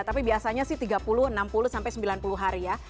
tapi biasanya sih tiga puluh enam puluh sampai sembilan puluh hari ya